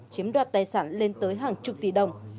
chiếm đoạt tài sản lên tới hàng chục tỷ đồng